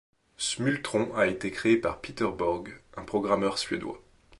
Smultron a été créé par Peter Borg, un programmeur suédois.